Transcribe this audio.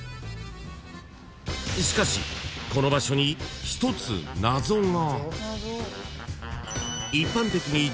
［しかしこの場所に１つ謎が］